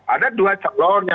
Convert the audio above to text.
ada dua calon yang